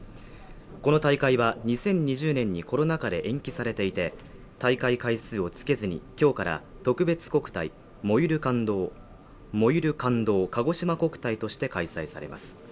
この大会は２０２０年にコロナ禍で延期されていて大会回数をつけずにきょうから特別国体「燃ゆる感動かごしま国体」として開催されます